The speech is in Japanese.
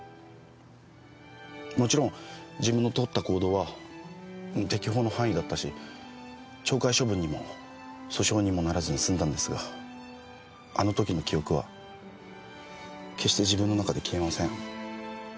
もちろん自分のとった行動は適法の範囲だったし懲戒処分にも訴訟にもならずに済んだんですがあの時の記憶は決して自分の中で消えません。